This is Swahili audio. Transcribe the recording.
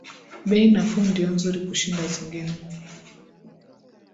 Bei nafuu ndio nzuri kushinda zingine